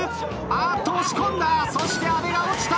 あっと押し込んだそして阿部が落ちた！